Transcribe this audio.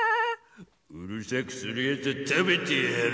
うるさくするやつはたべてやる！